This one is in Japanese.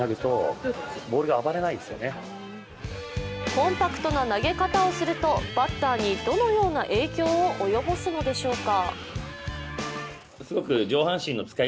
コンパクトな投げ方をすると、バッターにどのような影響を及ぼすのでしょうか。